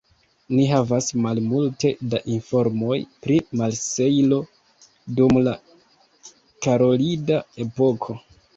Ni havas malmulte da informoj pri Marsejlo dum la karolida epoko.